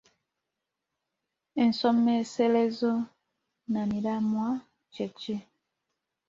Ensomeserezo nnamiramwa kye ki?